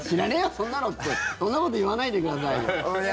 そんなのってそんなこと言わないでくださいよ。